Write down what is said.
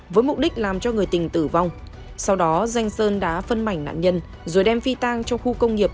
với mục đích làm cho người tình tử vong sau đó danh sơn đã phân mảnh nạn nhân rồi đem phi tang trong khu công nghiệp